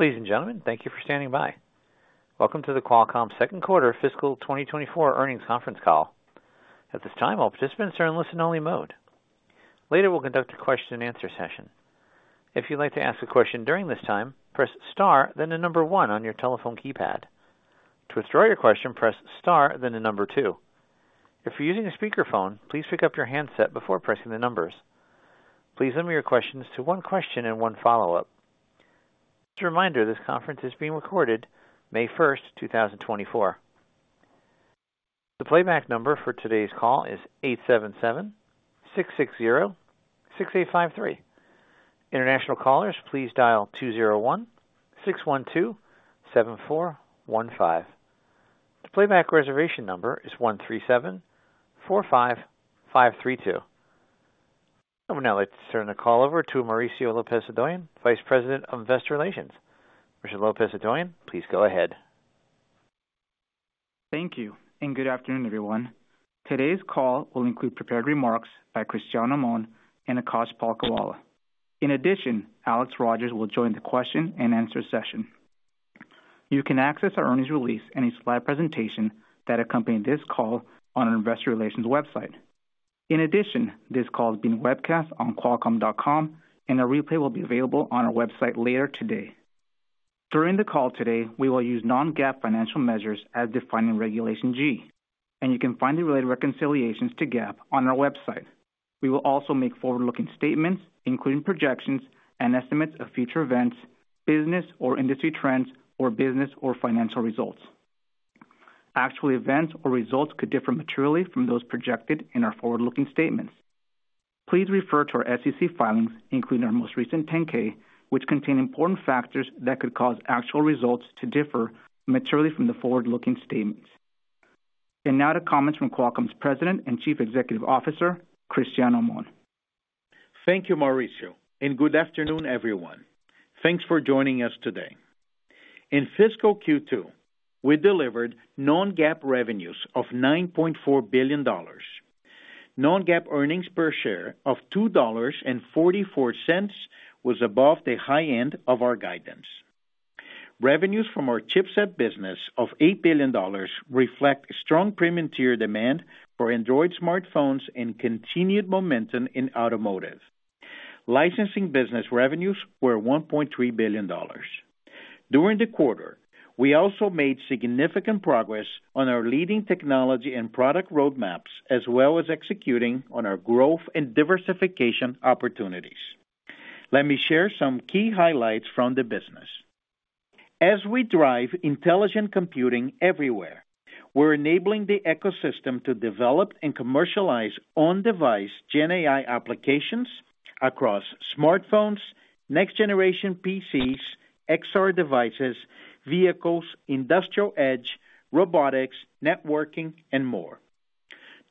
Ladies and gentlemen, thank you for standing by. Welcome to the Qualcomm second quarter fiscal 2024 earnings conference call. At this time, all participants are in listen-only mode. Later, we'll conduct a question-and-answer session. If you'd like to ask a question during this time, press star, then the number one on your telephone keypad. To withdraw your question, press star, then the number two. If you're using a speakerphone, please pick up your handset before pressing the numbers. Please limit your questions to one question and one follow-up. Just a reminder, this conference is being recorded May 1st, 2024. The playback number for today's call is 877-660-6853. International callers, please dial 201-612-7415. The playback reservation number is 137-45-532. I would now like to turn the call over to Mauricio Lopez-Hodoyan, Vice President of Investor Relations. Mauricio Lopez-Hodoyan, please go ahead. Thank you, and good afternoon, everyone. Today's call will include prepared remarks by Cristiano Amon and Akash Palkhiwala. In addition, Alex Rogers will join the question-and-answer session. You can access our earnings release and its live presentation that accompany this call on our investor relations website. In addition, this call is being webcast on qualcomm.com, and a replay will be available on our website later today. During the call today, we will use non-GAAP financial measures as defined in Regulation G, and you can find the related reconciliations to GAAP on our website. We will also make forward-looking statements, including projections and estimates of future events, business or industry trends, or business or financial results. Actual events or results could differ materially from those projected in our forward-looking statements. Please refer to our SEC filings, including our most recent 10-K, which contain important factors that could cause actual results to differ materially from the forward-looking statements. Now to comments from Qualcomm's President and Chief Executive Officer, Cristiano Amon. Thank you, Mauricio, and good afternoon, everyone. Thanks for joining us today. In fiscal Q2, we delivered non-GAAP revenues of $9.4 billion. Non-GAAP earnings per share of $2.44 was above the high end of our guidance. Revenues from our chipset business of $8 billion reflect strong premium tier demand for Android smartphones and continued momentum in automotive. Licensing business revenues were $1.3 billion. During the quarter, we also made significant progress on our leading technology and product roadmaps, as well as executing on our growth and diversification opportunities. Let me share some key highlights from the business. As we drive intelligent computing everywhere, we're enabling the ecosystem to develop and commercialize on-device GenAI applications across smartphones, next-generation PCs, XR devices, vehicles, industrial edge, robotics, networking, and more.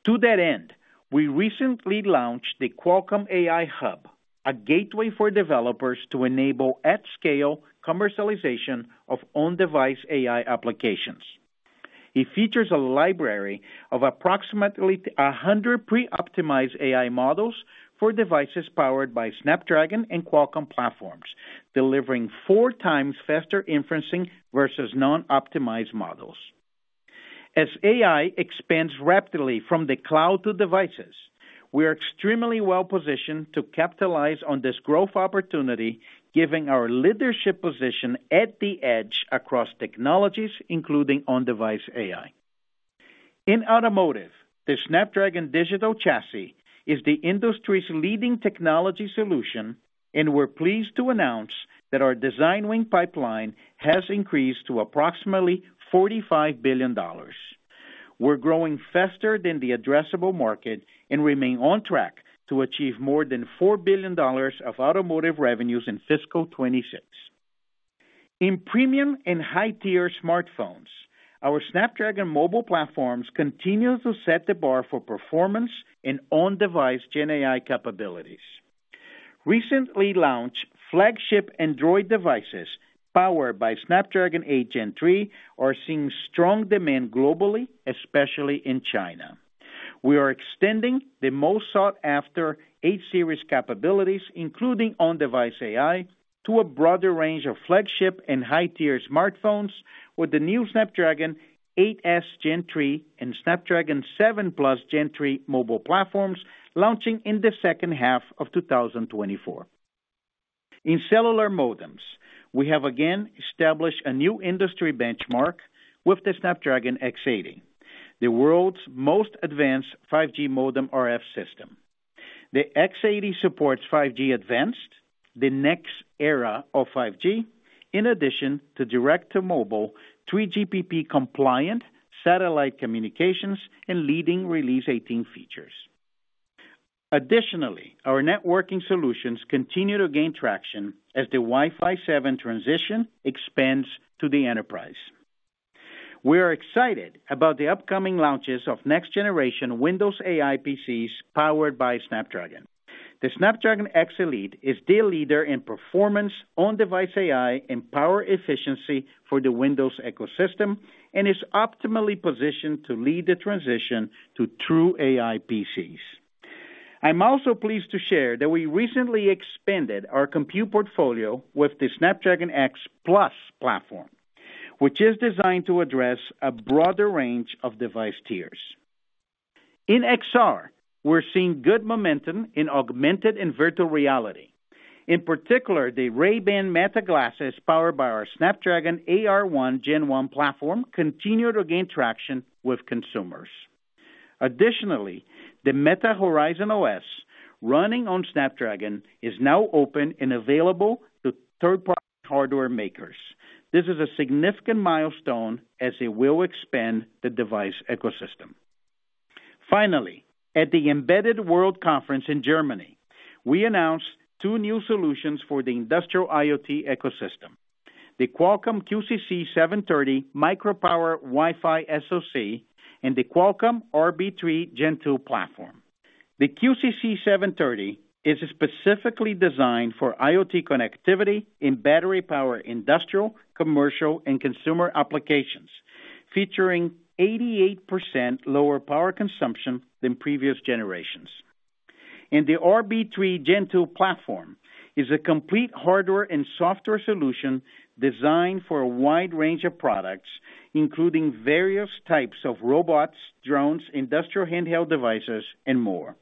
To that end, we recently launched the Qualcomm AI Hub, a gateway for developers to enable at-scale commercialization of on-device AI applications. It features a library of approximately 100 pre-optimized AI models for devices powered by Snapdragon and Qualcomm platforms, delivering 4x faster inferencing versus non-optimized models. As AI expands rapidly from the cloud to devices, we are extremely well-positioned to capitalize on this growth opportunity, giving our leadership position at the edge across technologies, including on-device AI. In automotive, the Snapdragon Digital Chassis is the industry's leading technology solution, and we're pleased to announce that our design win pipeline has increased to approximately $45 billion. We're growing faster than the addressable market and remain on track to achieve more than $4 billion of automotive revenues in fiscal 2026. In premium and high-tier smartphones, our Snapdragon mobile platforms continue to set the bar for performance and on-device GenAI capabilities. Recently launched flagship Android devices, powered by Snapdragon 8 Gen 3, are seeing strong demand globally, especially in China. We are extending the most sought-after 8 series capabilities, including on-device AI, to a broader range of flagship and high-tier smartphones with the new Snapdragon 8s Gen 3 and Snapdragon 7+ Gen 3 mobile platforms, launching in the second half of 2024. In cellular modems, we have again established a new industry benchmark with the Snapdragon X80, the world's most advanced 5G Modem-RF system. The X80 supports 5G Advanced, the next era of 5G, in addition to direct-to-mobile, 3GPP-compliant satellite communications and leading Release 18 features. Additionally, our networking solutions continue to gain traction as the Wi-Fi 7 transition expands to the enterprise. We are excited about the upcoming launches of next-generation Windows AI PCs powered by Snapdragon. The Snapdragon X Elite is the leader in performance on-device AI and power efficiency for the Windows ecosystem and is optimally positioned to lead the transition to true AI PCs. I'm also pleased to share that we recently expanded our compute portfolio with the Snapdragon X Plus platform, which is designed to address a broader range of device tiers. In XR, we're seeing good momentum in augmented and virtual reality. In particular, the Ray-Ban Meta glasses, powered by our Snapdragon AR1 Gen 1 platform, continue to gain traction with consumers. Additionally, the Meta Horizon OS, running on Snapdragon, is now open and available to third-party hardware makers. This is a significant milestone, as it will expand the device ecosystem. Finally, at the Embedded World Conference in Germany, we announced two new solutions for the industrial IoT ecosystem: the Qualcomm QCC730 micropower Wi-Fi SoC, and the Qualcomm RB3 Gen 2 platform. The QCC730 is specifically designed for IoT connectivity in battery power, industrial, commercial, and consumer applications, featuring 88% lower power consumption than previous generations. And the RB3 Gen 2 platform is a complete hardware and software solution designed for a wide range of products, including various types of robots, drones, industrial handheld devices, and more.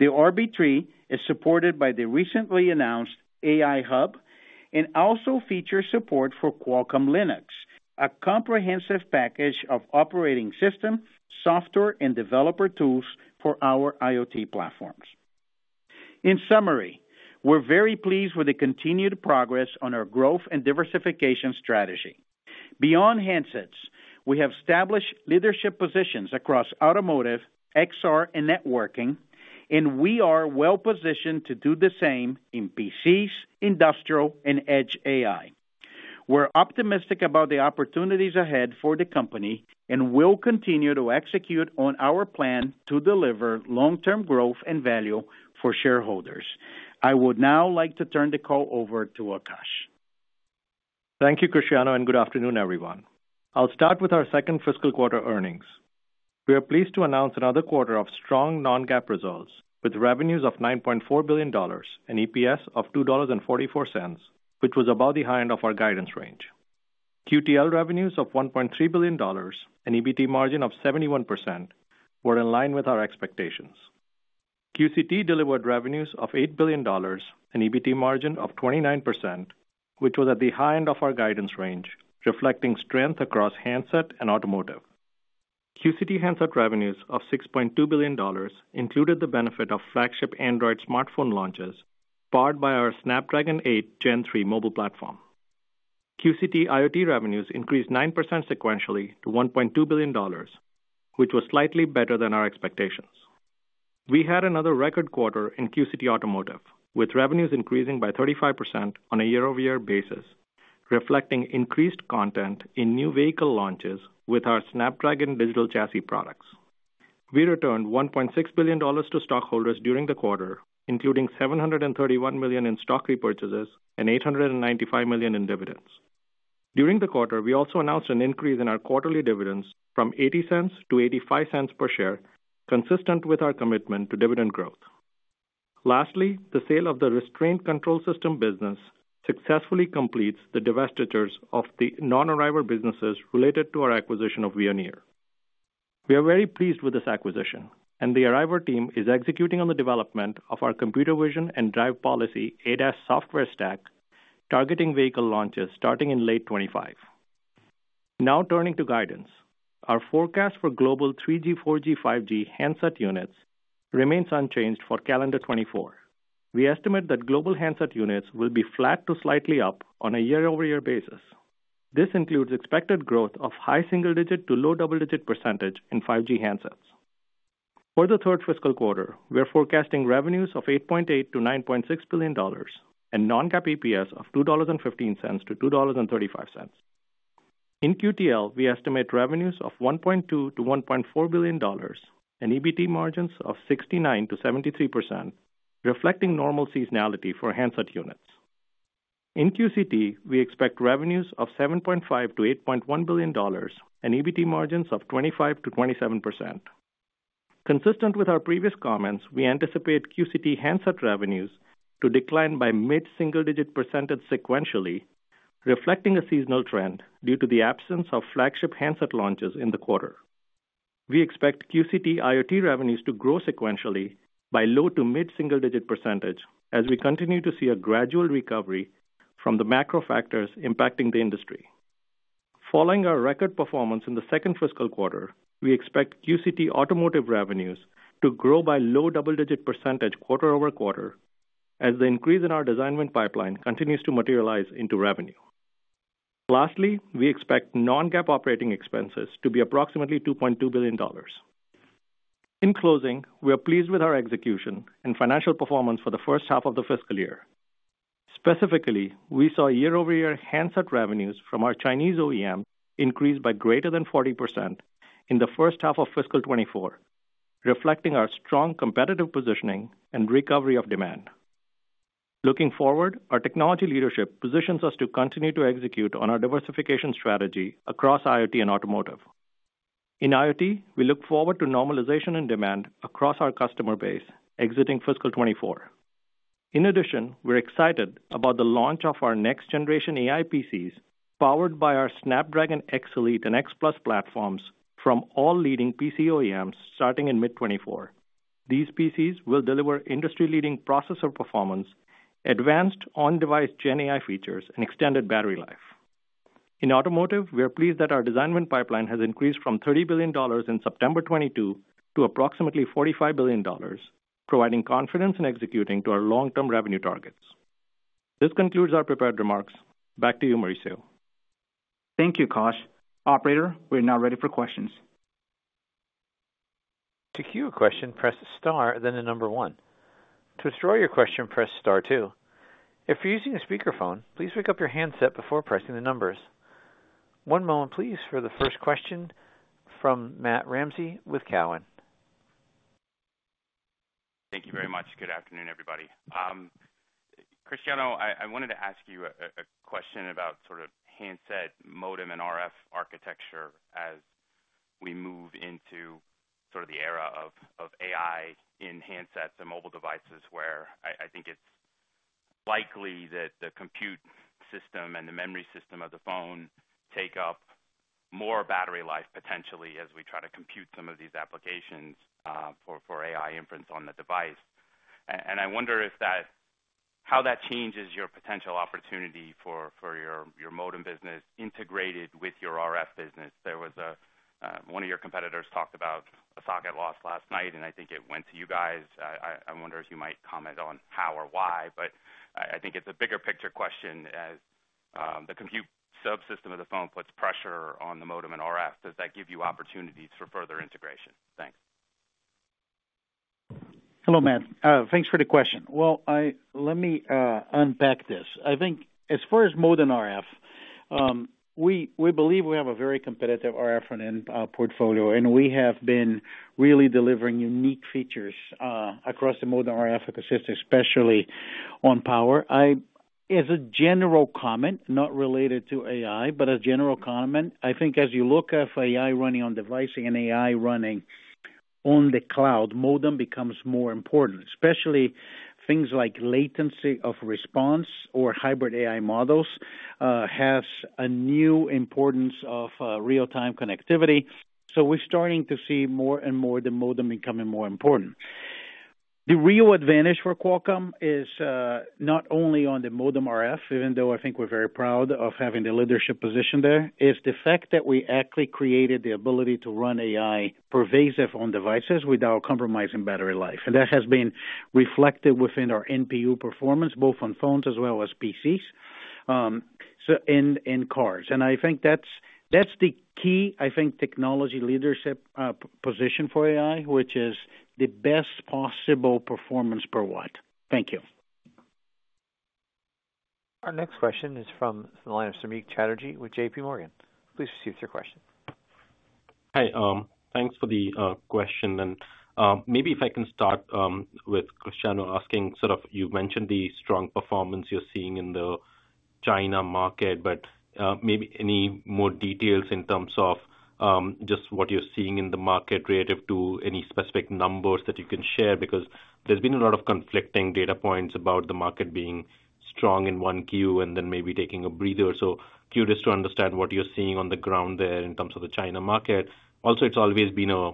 The RB3 is supported by the recently announced AI Hub and also features support for Qualcomm Linux, a comprehensive package of operating system, software, and developer tools for our IoT platforms. In summary, we're very pleased with the continued progress on our growth and diversification strategy. Beyond handsets, we have established leadership positions across automotive, XR, and networking, and we are well-positioned to do the same in PCs, industrial, and edge AI. We're optimistic about the opportunities ahead for the company, and we'll continue to execute on our plan to deliver long-term growth and value for shareholders. I would now like to turn the call over to Akash. Thank you, Cristiano, and good afternoon, everyone. I'll start with our second fiscal quarter earnings. We are pleased to announce another quarter of strong Non-GAAP results, with revenues of $9.4 billion and EPS of $2.44, which was above the high end of our guidance range. QTL revenues of $1.3 billion and EBT margin of 71% were in line with our expectations. QCT delivered revenues of $8 billion and EBT margin of 29%, which was at the high end of our guidance range, reflecting strength across handset and automotive. QCT handset revenues of $6.2 billion included the benefit of flagship Android smartphone launches, powered by our Snapdragon 8 Gen 3 mobile platform. QCT IoT revenues increased 9% sequentially to $1.2 billion, which was slightly better than our expectations. We had another record quarter in QCT Automotive, with revenues increasing by 35% on a year-over-year basis, reflecting increased content in new vehicle launches with our Snapdragon Digital Chassis products. We returned $1.6 billion to stockholders during the quarter, including $731 million in stock repurchases and $895 million in dividends. During the quarter, we also announced an increase in our quarterly dividends from $0.80 to $0.85 per share, consistent with our commitment to dividend growth. Lastly, the sale of the restraint control system business successfully completes the divestitures of the non-Arriver businesses related to our acquisition of Veoneer. We are very pleased with this acquisition, and the Arriver team is executing on the development of our computer vision and drive policy ADAS software stack, targeting vehicle launches starting in late 2025. Now, turning to guidance. Our forecast for global 3G, 4G, 5G handset units remains unchanged for calendar 2024. We estimate that global handset units will be flat to slightly up on a year-over-year basis. This includes expected growth of high single-digit to low double-digit percentage in 5G handsets. For the third fiscal quarter, we are forecasting revenues of $8.8 billion-$9.6 billion and non-GAAP EPS of $2.15-$2.35. In QTL, we estimate revenues of $1.2 billion-$1.4 billion and EBT margins of 69%-73%, reflecting normal seasonality for handset units. In QCT, we expect revenues of $7.5 billion-$8.1 billion and EBT margins of 25%-27%. Consistent with our previous comments, we anticipate QCT handset revenues to decline by mid-single-digit percentage sequentially, reflecting a seasonal trend due to the absence of flagship handset launches in the quarter. We expect QCT IoT revenues to grow sequentially by low to mid-single-digit percentage as we continue to see a gradual recovery from the macro factors impacting the industry. Following our record performance in the second fiscal quarter, we expect QCT Automotive revenues to grow by low double-digit percentage quarter-over-quarter as the increase in our design win pipeline continues to materialize into revenue. Lastly, we expect non-GAAP operating expenses to be approximately $2.2 billion. In closing, we are pleased with our execution and financial performance for the first half of the fiscal year. Specifically, we saw year-over-year handset revenues from our Chinese OEM increase by greater than 40% in the first half of fiscal 2024, reflecting our strong competitive positioning and recovery of demand. Looking forward, our technology leadership positions us to continue to execute on our diversification strategy across IoT and automotive. In IoT, we look forward to normalization and demand across our customer base exiting fiscal 2024. In addition, we're excited about the launch of our next generation AI PCs, powered by our Snapdragon X Elite and X Plus platforms from all leading PC OEMs, starting in mid-2024. These PCs will deliver industry-leading processor performance, advanced on-device GenAI features, and extended battery life. In automotive, we are pleased that our design win pipeline has increased from $30 billion in September 2022 to approximately $45 billion, providing confidence in executing to our long-term revenue targets. This concludes our prepared remarks. Back to you, Mauricio. Thank you, Akash. Operator, we're now ready for questions. To queue a question, press star then one. To withdraw your question, press star two. If you're using a speakerphone, please pick up your handset before pressing the numbers. One moment please, for the first question from Matt Ramsay with Cowen. Thank you very much. Good afternoon, everybody. Cristiano, I wanted to ask you a question about sort of handset, modem, and RF architecture as we move into sort of the era of AI in handsets and mobile devices, where I think it's likely that the compute system and the memory system of the phone take up more battery life, potentially, as we try to compute some of these applications for AI inference on the device. And I wonder how that changes your potential opportunity for your modem business integrated with your RF business. There was one of your competitors talked about a socket loss last night, and I think it went to you guys. I wonder if you might comment on how or why, but I think it's a bigger picture question as the compute subsystem of the phone puts pressure on the modem and RF, does that give you opportunities for further integration? Thanks. Hello, Matt. Thanks for the question. Well, let me unpack this. I think as far as modem RF, we believe we have a very competitive RF front-end portfolio, and we have been really delivering unique features across the modem RF system, especially on power. As a general comment, not related to AI, but a general comment, I think as you look at AI running on device and AI running on the cloud, modem becomes more important, especially things like latency of response or hybrid AI models has a new importance of real-time connectivity. So we're starting to see more and more the modem becoming more important. The real advantage for Qualcomm is, not only on the modem RF, even though I think we're very proud of having the leadership position there, it's the fact that we actually created the ability to run AI pervasive on devices without compromising battery life. And that has been reflected within our NPU performance, both on phones as well as PCs, so, and cars. And I think that's the key, I think, technology leadership position for AI, which is the best possible performance per watt. Thank you. Our next question is from the line of Samik Chatterjee with JPMorgan. Please proceed with your question. Hi, thanks for the question, and maybe if I can start with Cristiano asking, sort of, you mentioned the strong performance you're seeing in the China market, but maybe any more details in terms of just what you're seeing in the market relative to any specific numbers that you can share? Because there's been a lot of conflicting data points about the market being strong in 1Q and then maybe taking a breather. So curious to understand what you're seeing on the ground there in terms of the China market. Also, it's always been a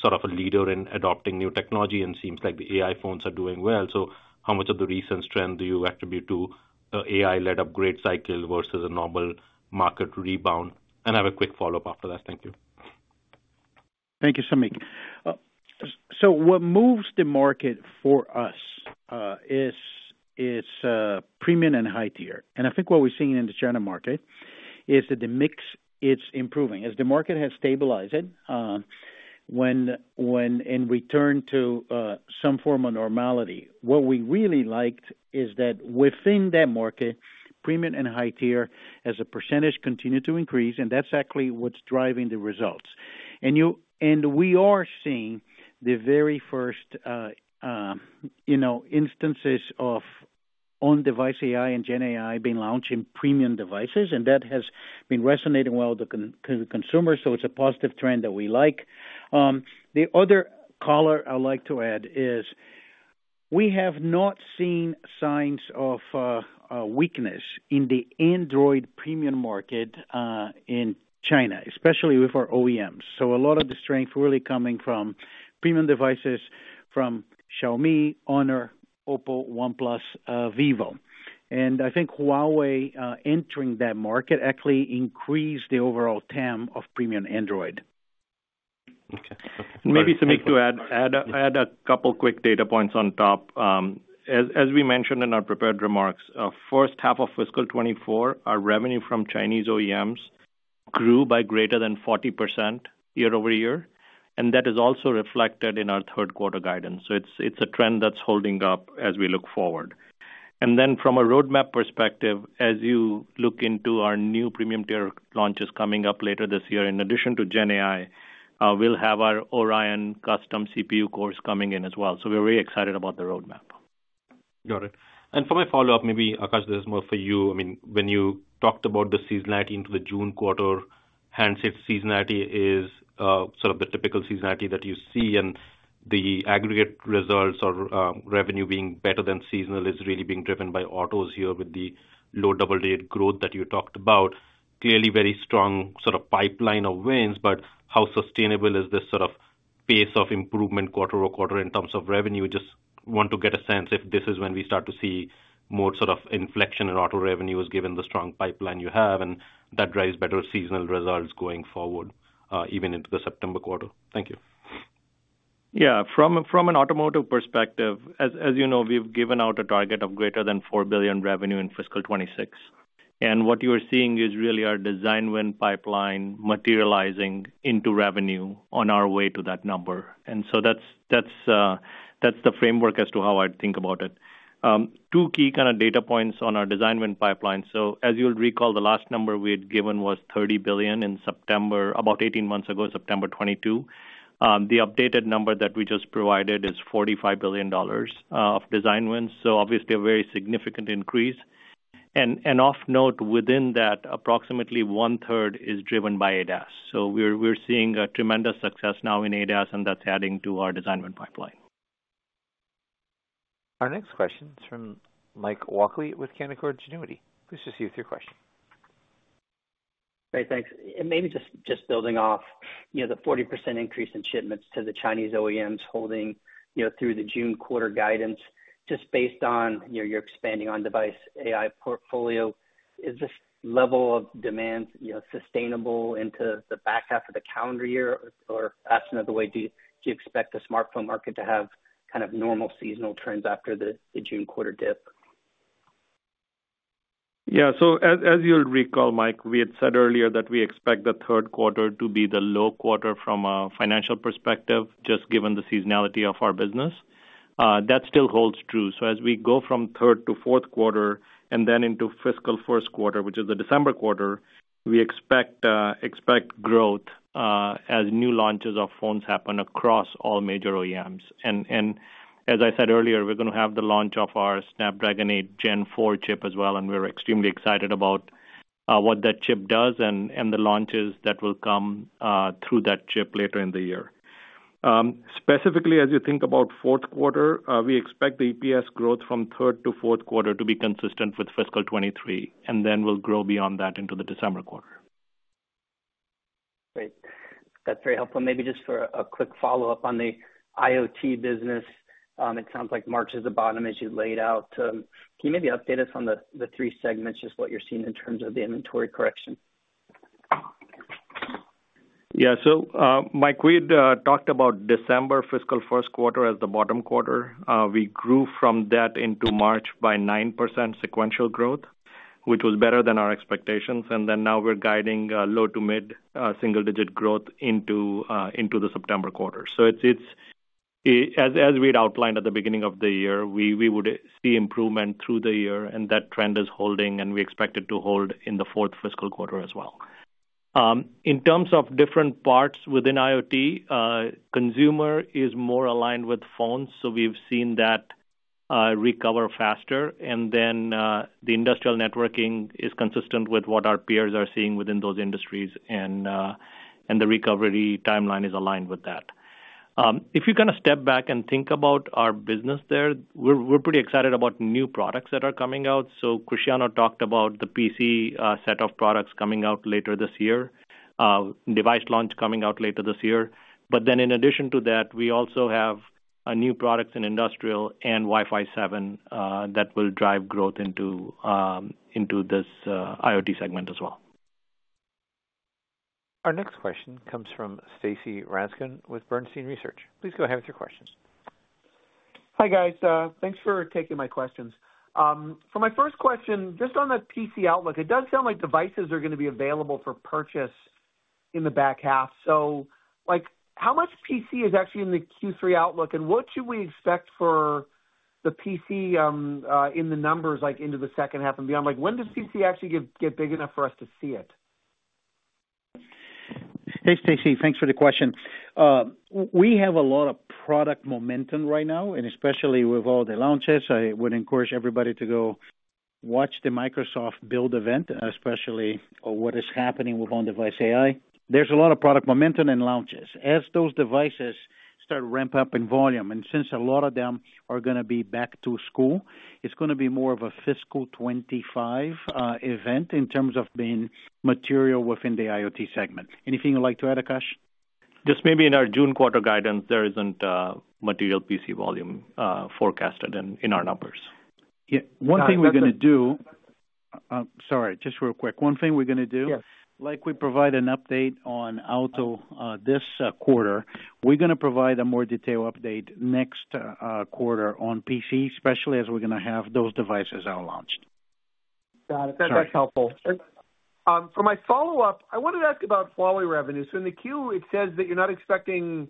sort of a leader in adopting new technology, and seems like the AI phones are doing well. So how much of the recent trend do you attribute to AI-led upgrade cycle versus a normal market rebound? And I have a quick follow-up after that. Thank you. Thank you, Samik. So what moves the market for us is premium and high tier. And I think what we're seeing in the China market is that the mix is improving. As the market has stabilized and returned to some form of normality, what we really liked is that within that market, premium and high tier, as a percentage, continue to increase, and that's actually what's driving the results. And we are seeing the very first, you know, instances of on-device AI and GenAI being launched in premium devices, and that has been resonating well with consumers, so it's a positive trend that we like. The other color I'd like to add is, we have not seen signs of weakness in the Android premium market in China, especially with our OEMs. A lot of the strength really coming from premium devices from Xiaomi, HONOR, OPPO, OnePlus, vivo. I think Huawei entering that market actually increased the overall TAM of premium Android. Okay. Maybe, Samik, to add a couple quick data points on top. As we mentioned in our prepared remarks, first half of fiscal 2024, our revenue from Chinese OEMs grew by greater than 40% year-over-year, and that is also reflected in our third quarter guidance. So it's a trend that's holding up as we look forward. And then from a roadmap perspective, as you look into our new premium tier launches coming up later this year, in addition to GenAI, we'll have our Oryon custom CPU core coming in as well. So we're very excited about the roadmap. Got it. And for my follow-up, maybe, Akash, this is more for you. I mean, when you talked about the seasonality into the June quarter, and if seasonality is sort of the typical seasonality that you see, and the aggregate results or revenue being better than seasonal is really being driven by autos here with the low double-digit growth that you talked about. Clearly very strong sort of pipeline of wins, but how sustainable is this sort of pace of improvement quarter over quarter in terms of revenue? Just want to get a sense if this is when we start to see more sort of inflection in auto revenue, is, given the strong pipeline you have, and that drives better seasonal results going forward, even into the September quarter. Thank you. Yeah. From an automotive perspective, as you know, we've given out a target of greater than $4 billion revenue in fiscal 2026, and what you are seeing is really our design win pipeline materializing into revenue on our way to that number. And so that's the framework as to how I'd think about it. Two key kind of data points on our design win pipeline. So as you'll recall, the last number we had given was $30 billion in September, about 18 months ago, September 2022. The updated number that we just provided is $45 billion of design wins. So obviously a very significant increase. And off-note, within that, approximately one-third is driven by ADAS. So we're seeing a tremendous success now in ADAS, and that's adding to our design win pipeline. Our next question is from Mike Walkley with Canaccord Genuity. Please proceed with your question. Great, thanks. Maybe just, just building off, you know, the 40% increase in shipments to the Chinese OEMs holding, you know, through the June quarter guidance, just based on, you know, your expanding on-device AI portfolio, is this level of demand, you know, sustainable into the back half of the calendar year? Or asked another way, do you, do you expect the smartphone market to have kind of normal seasonal trends after the, the June quarter dip? Yeah. So as you'll recall, Mike, we had said earlier that we expect the third quarter to be the low quarter from a financial perspective, just given the seasonality of our business. That still holds true. So as we go from third to fourth quarter and then into fiscal first quarter, which is the December quarter, we expect growth as new launches of phones happen across all major OEMs. And as I said earlier, we're gonna have the launch of our Snapdragon 8 Gen 4 chip as well, and we're extremely excited about what that chip does and the launches that will come through that chip later in the year. Specifically, as you think about fourth quarter, we expect the EPS growth from third to fourth quarter to be consistent with fiscal 2023, and then we'll grow beyond that into the December quarter. Great. That's very helpful. Maybe just for a quick follow-up on the IoT business, it sounds like March is the bottom as you laid out. Can you maybe update us on the, the three segments, just what you're seeing in terms of the inventory correction? Yeah. So, Mike, we'd talked about December fiscal first quarter as the bottom quarter. We grew from that into March by 9% sequential growth, which was better than our expectations, and then now we're guiding low- to mid-single-digit growth into the September quarter. So it's as we'd outlined at the beginning of the year, we would see improvement through the year, and that trend is holding, and we expect it to hold in the fourth fiscal quarter as well. In terms of different parts within IoT, consumer is more aligned with phones, so we've seen that recover faster. And then, the industrial networking is consistent with what our peers are seeing within those industries, and the recovery timeline is aligned with that. If you kind of step back and think about our business there, we're pretty excited about new products that are coming out. So Cristiano talked about the PC set of products coming out later this year, device launch coming out later this year. But then in addition to that, we also have a new product in industrial and Wi-Fi 7 that will drive growth into this IoT segment as well. Our next question comes from Stacy Rasgon with Bernstein Research. Please go ahead with your questions. Hi, guys. Thanks for taking my questions. For my first question, just on the PC outlook, it does sound like devices are gonna be available for purchase in the back half. So, like, how much PC is actually in the Q3 outlook, and what should we expect for the PC in the numbers, like, into the second half and beyond? Like, when does PC actually get big enough for us to see it? Hey, Stacy, thanks for the question. We have a lot of product momentum right now, and especially with all the launches, I would encourage everybody to go watch the Microsoft Build event, especially on what is happening with on-device AI. There's a lot of product momentum and launches. As those devices start to ramp up in volume, and since a lot of them are gonna be back to school, it's gonna be more of a fiscal 2025, event in terms of being material within the IoT segment. Anything you'd like to add, Akash? Just maybe in our June quarter guidance, there isn't material PC volume forecasted in our numbers. Yeah, one thing we're gonna do. Sorry, just real quick. One thing we're gonna do. Yes. Like we provide an update on auto this quarter, we're gonna provide a more detailed update next quarter on PC, especially as we're gonna have those devices out launched. Got it. That's helpful. And for my follow-up, I wanted to ask about Huawei revenue. So in the queue, it says that you're not expecting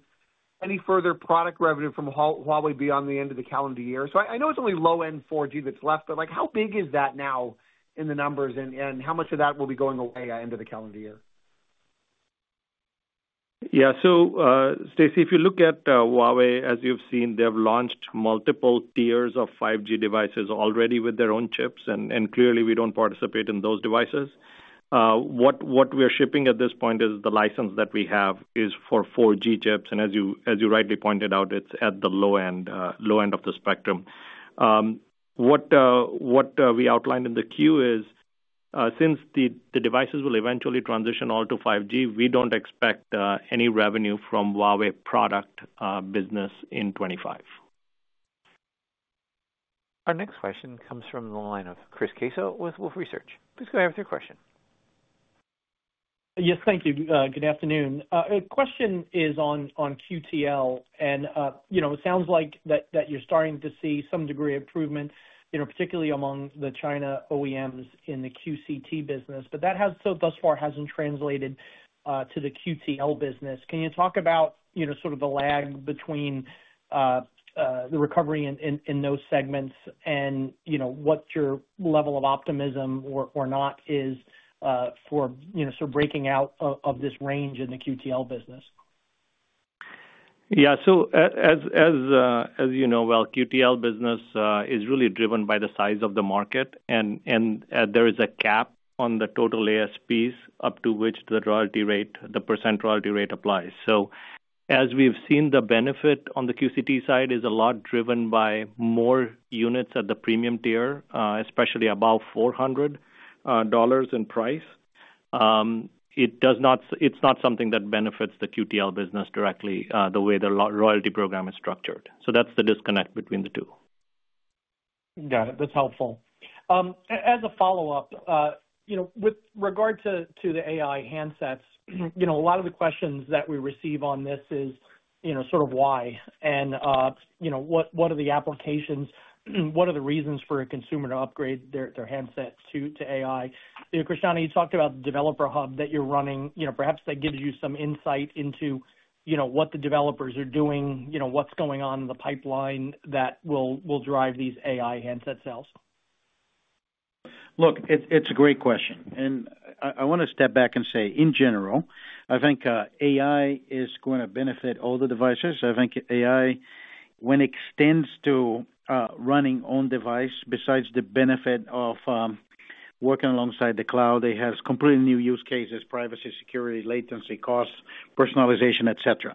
any further product revenue from Huawei beyond the end of the calendar year. So I know it's only low-end 4G that's left, but like, how big is that now in the numbers, and how much of that will be going away end of the calendar year? Yeah. So, Stacy, if you look at Huawei, as you've seen, they've launched multiple tiers of 5G devices already with their own chips, and clearly we don't participate in those devices. What we are shipping at this point is the license that we have is for 4G chips, and as you rightly pointed out, it's at the low end of the spectrum. What we outlined in the queue is, since the devices will eventually transition all to 5G, we don't expect any revenue from Huawei product business in 2025. Our next question comes from the line of Chris Caso with Wolfe Research. Please go ahead with your question. Yes, thank you. Good afternoon. Our question is on QTL, and you know, it sounds like that you're starting to see some degree of improvement, you know, particularly among the China OEMs in the QCT business, but that has so thus far hasn't translated to the QTL business. Can you talk about, you know, sort of the lag between the recovery in those segments and, you know, what your level of optimism or not is for, you know, sort of breaking out of this range in the QTL business? Yeah. So as you know, well, QTL business is really driven by the size of the market, and there is a cap on the total ASPs, up to which the royalty rate, the percent royalty rate applies. So as we've seen, the benefit on the QCT side is a lot driven by more units at the premium tier, especially above $400 in price. It's not something that benefits the QTL business directly, the way the royalty program is structured. So that's the disconnect between the two. Got it. That's helpful. As a follow-up, you know, with regard to the AI handsets, you know, a lot of the questions that we receive on this is, you know, sort of why, and you know, what, what are the applications, what are the reasons for a consumer to upgrade their handset to AI? You know, Cristiano, you talked about the developer hub that you're running. You know, perhaps that gives you some insight into, you know, what the developers are doing, you know, what's going on in the pipeline that will drive these AI handset sales. Look, it's, it's a great question, and I, I wanna step back and say, in general, I think, AI is gonna benefit all the devices. I think AI, when it extends to, running on device, besides the benefit of, working alongside the cloud, it has completely new use cases, privacy, security, latency, costs, personalization, et cetera.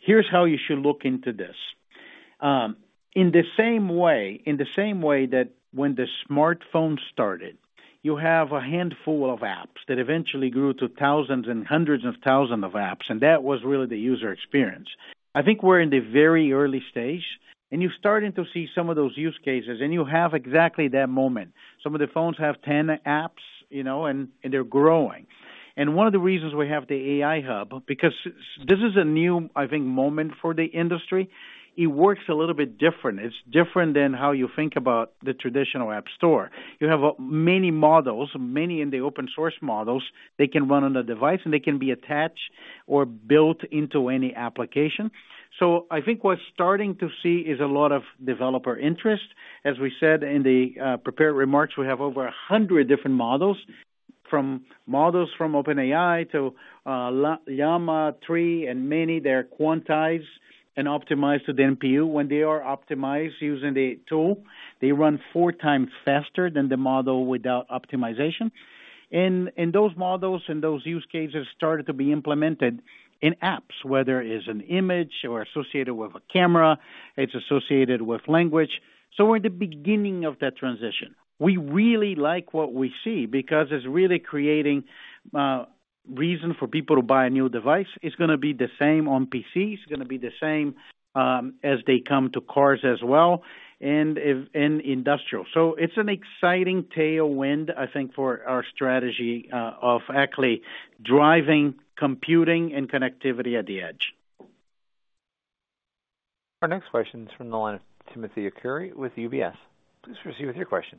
Here's how you should look into this. In the same way, in the same way that when the smartphone started, you have a handful of apps that eventually grew to thousands and hundreds of thousands of apps, and that was really the user experience. I think we're in the very early stage, and you're starting to see some of those use cases, and you have exactly that moment. Some of the phones have 10 apps, you know, and, and they're growing. One of the reasons we have the AI Hub, because this is a new, I think, moment for the industry. It works a little bit different. It's different than how you think about the traditional app store. You have many models, many in the open source models. They can run on a device, and they can be attached or built into any application. So I think what's starting to see is a lot of developer interest. As we said in the prepared remarks, we have over 100 different models, from models from OpenAI to Llama 3 and many, they are quantized and optimized to the NPU. When they are optimized using the tool, they run 4x faster than the model without optimization. Those models and those use cases started to be implemented in apps, whether it's an image or associated with a camera, it's associated with language. So we're in the beginning of that transition. We really like what we see because it's really creating reason for people to buy a new device. It's gonna be the same on PCs, it's gonna be the same as they come to cars as well, and industrial. So it's an exciting tailwind, I think, for our strategy of actually driving computing and connectivity at the edge. Our next question is from the line of Timothy Arcuri with UBS. Please proceed with your question.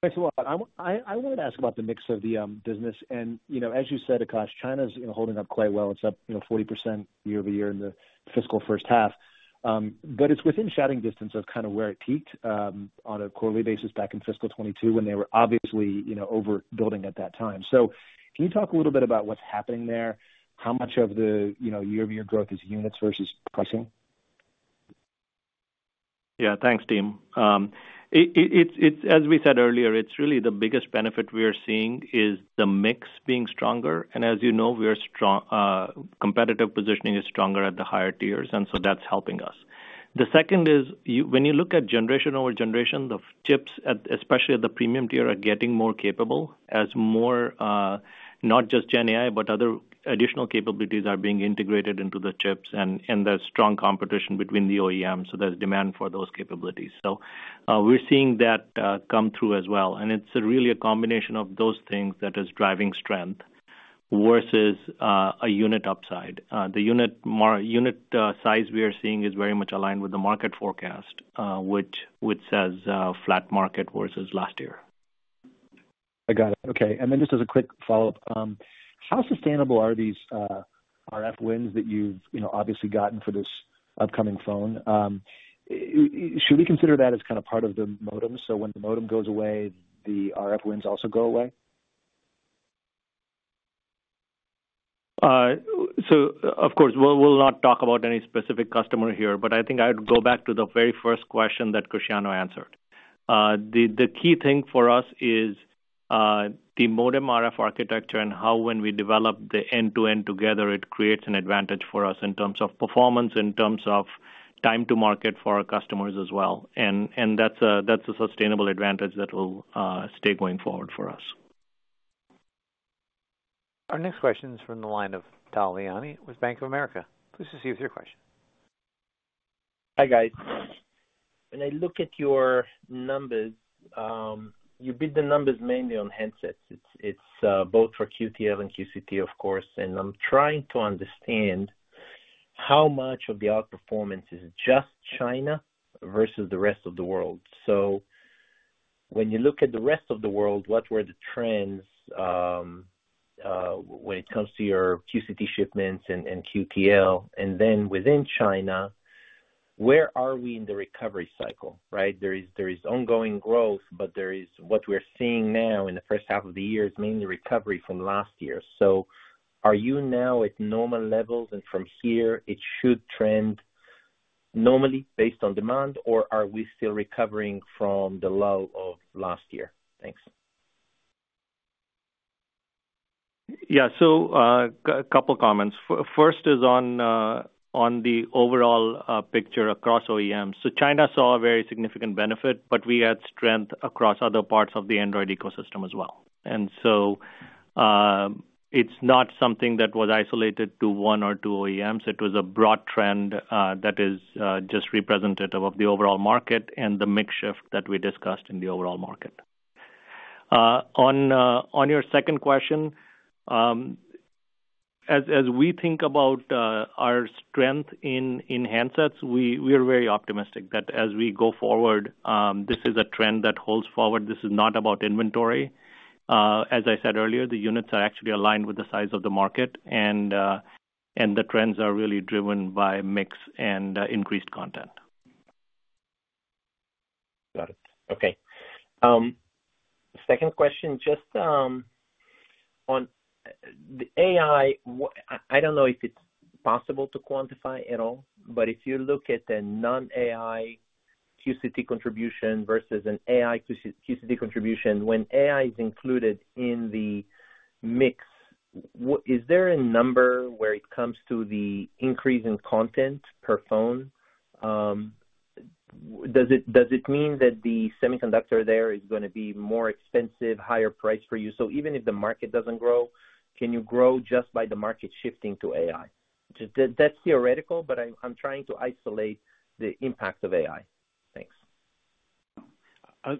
Thanks a lot. I wanted to ask about the mix of the business, and, you know, as you said, Akash, China's, you know, holding up quite well. It's up, you know, 40% year-over-year in the fiscal first half. But it's within shouting distance of kind of where it peaked, on a quarterly basis back in fiscal 2022, when they were obviously, you know, overbuilding at that time. So can you talk a little bit about what's happening there? How much of the year-over-year growth is units versus pricing? Yeah. Thanks, Tim. As we said earlier, it's really the biggest benefit we are seeing is the mix being stronger, and as you know, we are strong competitive positioning is stronger at the higher tiers, and so that's helping us. The second is when you look at generation over generation, the chips at, especially at the premium tier, are getting more capable as more, not just GenAI, but other additional capabilities are being integrated into the chips and there's strong competition between the OEMs, so there's demand for those capabilities. So, we're seeing that come through as well, and it's really a combination of those things that is driving strength versus a unit upside. The unit size we are seeing is very much aligned with the market forecast, which says flat market versus last year. I got it. Okay, and then just as a quick follow-up, how sustainable are these RF wins that you've, you know, obviously gotten for this upcoming phone? Should we consider that as kind of part of the modem, so when the modem goes away, the RF wins also go away? So of course, we'll not talk about any specific customer here, but I think I'd go back to the very first question that Cristiano answered. The key thing for us is the modem RF architecture and how when we develop the end-to-end together, it creates an advantage for us in terms of performance, in terms of time to market for our customers as well. And that's a sustainable advantage that will stay going forward for us. Our next question is from the line of Tal Liani with Bank of America. Please proceed with your question. Hi, guys. When I look at your numbers, you beat the numbers mainly on handsets. It's both for QTL and QCT, of course, and I'm trying to understand how much of the outperformance is just China versus the rest of the world. So when you look at the rest of the world, what were the trends when it comes to your QCT shipments and QTL? And then within China, where are we in the recovery cycle, right? There is ongoing growth, but there is, what we're seeing now in the first half of the year is mainly recovery from last year. So are you now at normal levels, and from here, it should trend normally based on demand, or are we still recovering from the lull of last year? Thanks. Yeah. So, a couple comments. First is on the overall picture across OEMs. So China saw a very significant benefit, but we had strength across other parts of the Android ecosystem as well. And so, it's not something that was isolated to one or two OEMs. It was a broad trend that is just representative of the overall market and the mix shift that we discussed in the overall market. On your second question, as we think about our strength in handsets, we are very optimistic that as we go forward, this is a trend that holds forward. This is not about inventory. As I said earlier, the units are actually aligned with the size of the market, and the trends are really driven by mix and increased content. Got it. Okay. Second question, just on the AI, I don't know if it's possible to quantify at all, but if you look at the non-AI QCT contribution versus an AI QCT contribution, when AI is included in the mix, is there a number where it comes to the increase in content per phone? Does it mean that the semiconductor there is gonna be more expensive, higher price for you? So even if the market doesn't grow, can you grow just by the market shifting to AI? That's theoretical, but I'm trying to isolate the impact of AI. Thanks.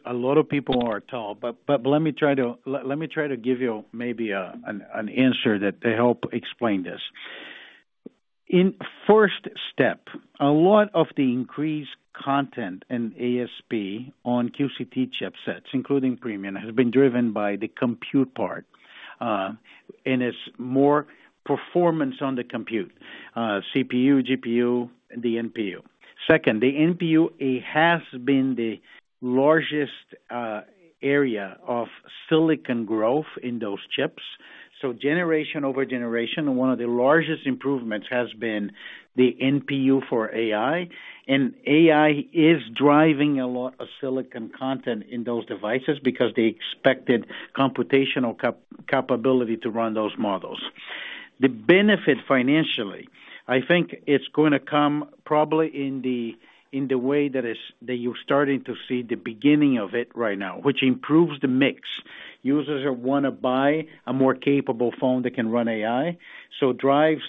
A lot of people are Tal, but let me try to give you maybe an answer that to help explain this. In first step, a lot of the increased content in ASP on QCT chipsets, including premium, has been driven by the compute part, and it's more performance on the compute, CPU, GPU, the NPU. Second, the NPU, it has been the largest area of silicon growth in those chips. So generation over generation, one of the largest improvements has been the NPU for AI, and AI is driving a lot of silicon content in those devices because the expected computational capability to run those models. The benefit financially, I think it's gonna come probably in the way that is, that you're starting to see the beginning of it right now, which improves the mix. Users will wanna buy a more capable phone that can run AI, so drives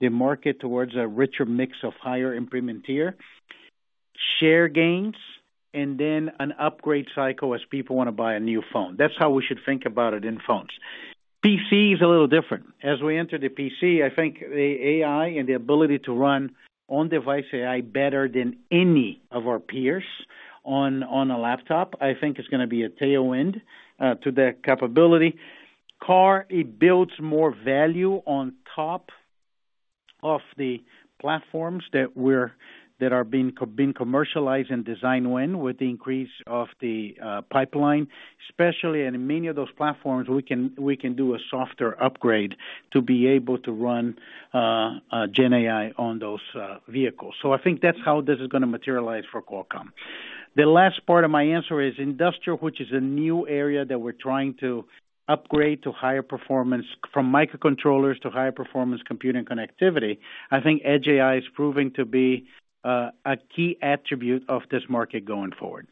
the market towards a richer mix of higher implement tier, share gains, and then an upgrade cycle as people wanna buy a new phone. That's how we should think about it in phones. PC is a little different. As we enter the PC, I think the AI and the ability to run on-device AI better than any of our peers on a laptop, I think it's gonna be a tailwind to the capability. Car, it builds more value on top of the platforms that are being commercialized and design win with the increase of the pipeline, especially in many of those platforms, we can do a softer upgrade to be able to run GenAI on those vehicles. I think that's how this is gonna materialize for Qualcomm. The last part of my answer is industrial, which is a new area that we're trying to upgrade to higher performance, from microcontrollers to higher performance compute and connectivity. I think edge AI is proving to be a key attribute of this market going forward.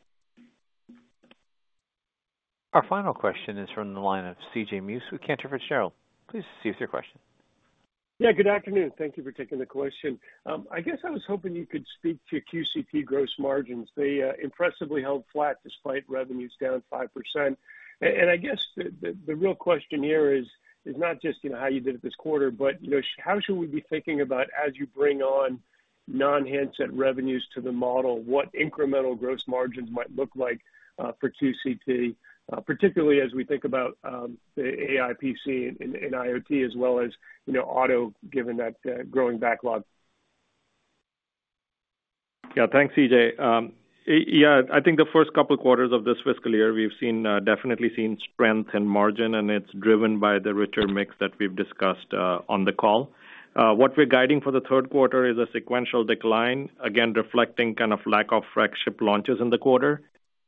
Our final question is from the line of CJ Muse with Cantor Fitzgerald. Please proceed with your question. Yeah, good afternoon. Thank you for taking the question. I guess I was hoping you could speak to QCT gross margins. They impressively held flat despite revenues down 5%. And I guess the real question here is not just, you know, how you did it this quarter, but, you know, how should we be thinking about as you bring on non-handset revenues to the model, what incremental gross margins might look like for QCT, particularly as we think about the AI PC and IoT, as well as, you know, auto, given that growing backlog? Yeah, thanks, CJ. Yeah, I think the first couple quarters of this fiscal year, we've definitely seen strength in margin, and it's driven by the richer mix that we've discussed on the call. What we're guiding for the third quarter is a sequential decline, again, reflecting kind of lack of flagship launches in the quarter.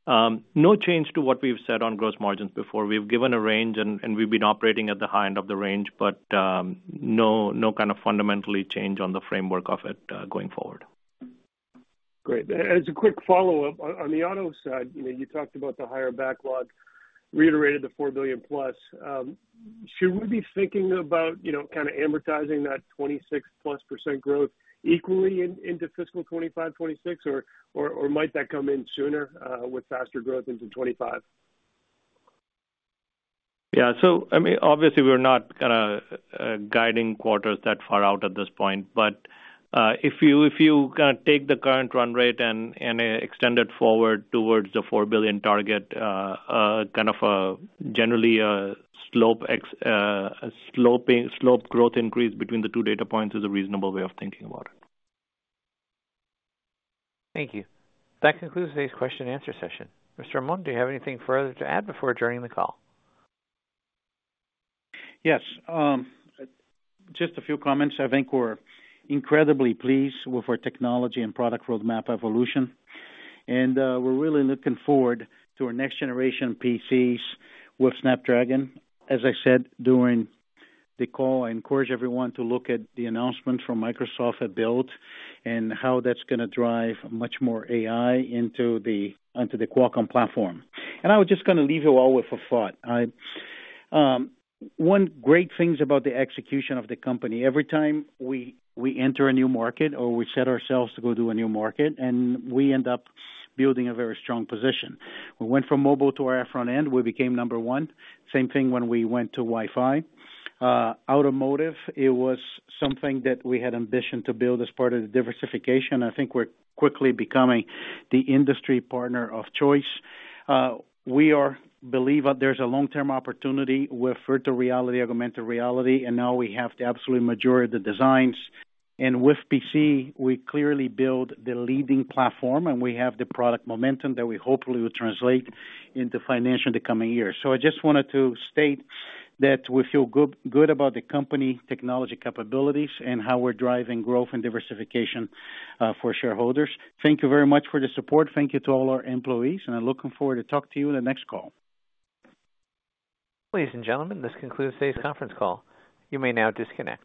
No change to what we've said on gross margins before. We've given a range, and we've been operating at the high end of the range, but no kind of fundamental change on the framework of it going forward. Great. As a quick follow-up, on the auto side, you know, you talked about the higher backlog, reiterated the $4 billion+. Should we be thinking about, you know, kinda amortizing that 26%+ growth equally into fiscal 2025, 2026, or might that come in sooner with faster growth into 2025? Yeah. So I mean, obviously, we're not gonna guiding quarters that far out at this point. But, if you kinda take the current run rate and extend it forward towards the $4 billion target, kind of generally a sloping growth increase between the two data points is a reasonable way of thinking about it. Thank you. That concludes today's question-and-answer session. Mr. Amon, do you have anything further to add before adjourning the call? Yes. Just a few comments. I think we're incredibly pleased with our technology and product roadmap evolution, and we're really looking forward to our next generation PCs with Snapdragon. As I said during the call, I encourage everyone to look at the announcement from Microsoft at Build and how that's gonna drive much more AI onto the Qualcomm platform. And I was just gonna leave you all with a thought. I, one of the great things about the execution of the company, every time we enter a new market or we set ourselves to go to a new market, and we end up building a very strong position. We went from mobile to our front end, we became number one. Same thing when we went to Wi-Fi. Automotive, it was something that we had ambition to build as part of the diversification. I think we're quickly becoming the industry partner of choice. We believe that there's a long-term opportunity with virtual reality, augmented reality, and now we have the absolute majority of the designs. And with PC, we clearly build the leading platform, and we have the product momentum that we hopefully will translate into financial in the coming years. So I just wanted to state that we feel good about the company technology capabilities and how we're driving growth and diversification for shareholders. Thank you very much for the support. Thank you to all our employees, and I'm looking forward to talk to you in the next call. Ladies and gentlemen, this concludes today's conference call. You may now disconnect.